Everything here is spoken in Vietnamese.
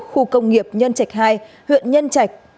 khu công nghiệp nhân trạch hai huyện nhân trạch